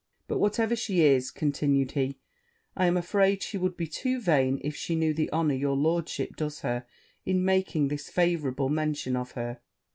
'But whatever she is,' continued he, 'I am afraid she would be too vain if she knew the honour your lordship does her, in making this favourable mention of her.'